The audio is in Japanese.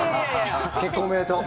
結婚おめでとう。